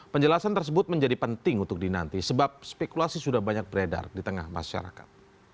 penjelasan tersebut menjadi penting untuk dinanti sebab spekulasi sudah banyak beredar di tengah masyarakat